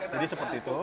jadi seperti itu